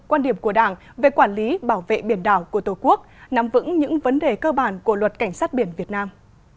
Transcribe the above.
quan điểm của đảng về quản lý bảo vệ biển đảo của tổ quốc nắm vững những vấn đề cơ bản của luật cảnh sát biển việt nam